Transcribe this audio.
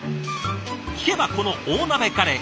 聞けばこの大鍋カレー